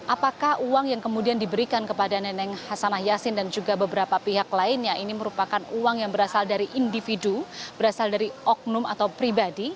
apakah uang yang kemudian diberikan kepada neneng hasanah yassin dan juga beberapa pihak lainnya ini merupakan uang yang berasal dari individu berasal dari oknum atau pribadi